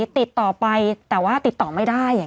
ติดต่อไปแต่ว่าติดต่อไม่ได้